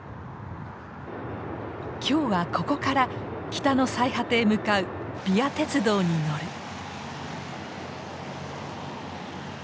今日はここから北の最果てへ向かうＶＩＡ鉄道に乗る。